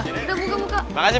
udah buka buka